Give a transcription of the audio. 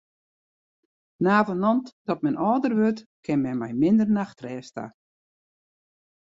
Navenant dat men âlder wurdt, kin men mei minder nachtrêst ta.